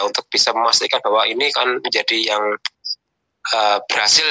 untuk bisa memastikan bahwa ini kan menjadi yang berhasil